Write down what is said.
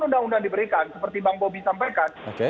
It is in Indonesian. undang undang diberikan seperti bang bobi sampaikan